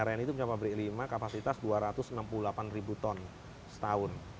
rni itu punya pabrik lima kapasitas dua ratus enam puluh delapan ribu ton setahun